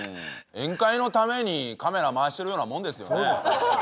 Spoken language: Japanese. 宴会のためにカメラ回してるようなもんですよね。